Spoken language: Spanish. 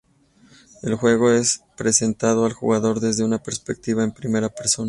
El juego es presentado al jugador desde una perspectiva en primera persona.